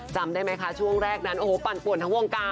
จำได้ไหมคะช่วงแรกนั้นโอ้โหปั่นป่วนทั้งวงการ